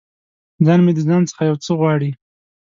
ځان مې د ځان څخه یو څه غواړي